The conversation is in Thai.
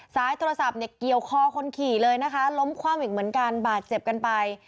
สายโทรศัพท์เนี่ยเกี่ยวคอคนขี่เลยนะคะล้มคว่ำอีกเหมือนกันบาดเจ็บกันไป